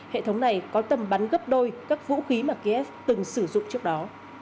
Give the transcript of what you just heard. hệ thống này có tầm bắn gấp đôi các vũ khí mà kiev từng sử dụng trước đó